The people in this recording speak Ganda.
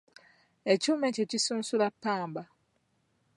Ekyuma ekyo kisunsula ppamba.